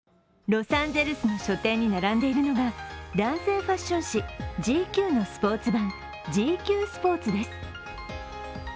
ロサンゼルスの書店に並んでいるのが男性ファッション誌「ＧＱ」のスポーツ版「ＧＱスポーツ」です。